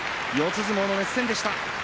相撲の熱戦でした。